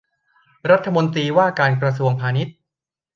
รัฐมนตรีว่าการกระทรวงพาณิชย์